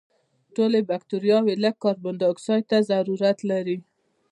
ټولې بکټریاوې لږ کاربن دای اکسایډ ته ضرورت لري.